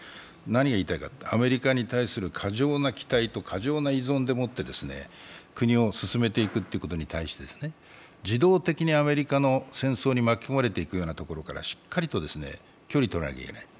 何がいいたいかというとアメリカに対する過剰な期待と過剰な依存でもって国を進めていくということに対して自動的にアメリカの戦争に巻き込まれていくようなところからしっかりと距離とらなければいけない。